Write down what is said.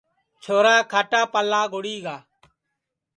چھورا کھاٹاپاݪا گُڑی گا